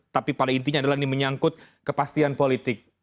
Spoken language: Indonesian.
tapi pada intinya adalah ini menyangkut kepastian politik